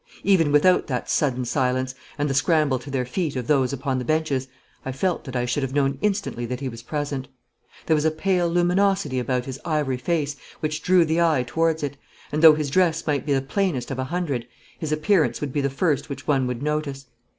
Even without that sudden silence, and the scramble to their feet of those upon the benches, I felt that I should have known instantly that he was present. There was a pale luminosity about his ivory face which drew the eye towards it, and though his dress might be the plainest of a hundred, his appearance would be the first which one would notice.